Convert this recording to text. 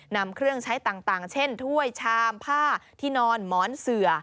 นำเครื่องใช้ต่างเช่นถ้วยชามผ้าที่นอนหมอนเสือ